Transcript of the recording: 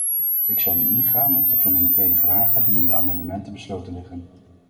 Ik zal nu ingaan op de fundamentele vragen die in de amendementen besloten liggen.